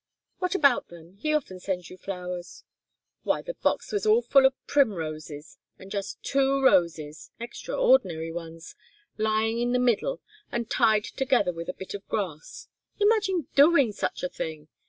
"What about them? He often sends you flowers." "Why, the box was all full of primroses, and just two roses extraordinary ones lying in the middle and tied together with a bit of grass. Imagine doing such a thing!